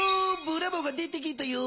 ブラボーが出てきたよ。